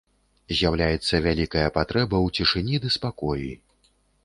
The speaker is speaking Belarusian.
З'яўляецца вялікая патрэба ў цішыні ды спакоі.